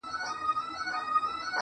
اې ه څنګه دي کتاب له مخه ليري کړم~